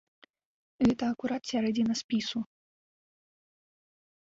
Гэта акурат сярэдзіна спісу.